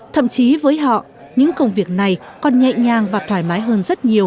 thậm chí với họ những công việc này còn nhẹ nhàng và thoải mái hơn rất nhiều